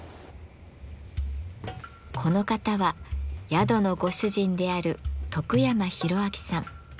この方は宿のご主人である徳山浩明さん。